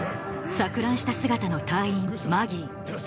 錯乱した姿の隊員マギー